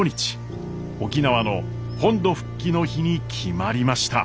沖縄の本土復帰の日に決まりました。